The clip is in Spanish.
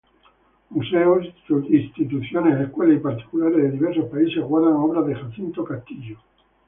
Museos, instituciones, escuelas, y particulares de diversos países guardan obras de Jacinto Castillo.